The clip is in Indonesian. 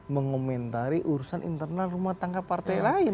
mengomentari urusan internal rumah tangga partai lain